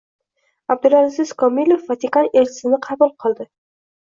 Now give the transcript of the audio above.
Abdulaziz Komilov Vatikan Elchisini qabul qildi